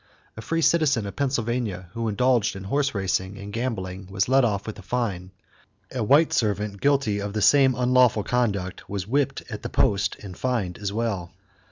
A free citizen of Pennsylvania who indulged in horse racing and gambling was let off with a fine; a white servant guilty of the same unlawful conduct was whipped at the post and fined as well.